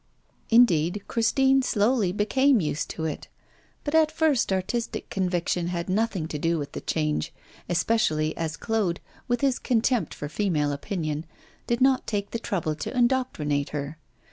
Indeed, Christine slowly became used to it. But, at first, artistic conviction had nothing to do with the change, especially as Claude, with his contempt for female opinion, did not take the trouble to indoctrinate her.